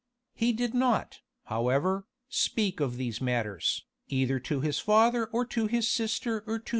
He did not, however, speak of these matters, either to his father or to his sister or to M.